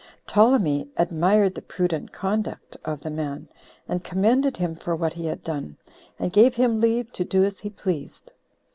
Ptolemy admired the prudent conduct of the man, and commended him for what he had done, and gave him leave to do as he pleased.